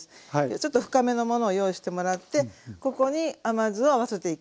ちょっと深めのものを用意してもらってここに甘酢を合わせていきます。